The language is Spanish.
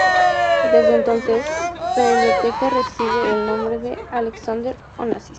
Desde entonces, la biblioteca recibe el nombre de Alexander Onassis.